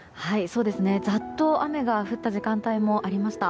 ざっと雨が降った時間帯もありました。